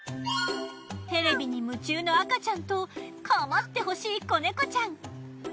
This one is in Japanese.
テレビに夢中の赤ちゃんとかまってほしい子ネコちゃん。